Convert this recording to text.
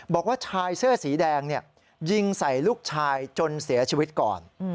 บอกว่าชายเสื้อสีแดงยิงใส่ลูกชายจนเสียชีวิตก่อน